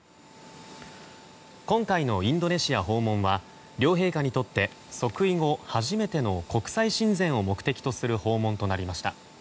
今回のインドネシア訪問は両陛下にとって即位後初めての国際親善を目的とする訪問となりました。